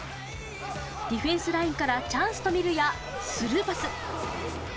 ディフェンスラインからチャンスと見るや、スルーパス。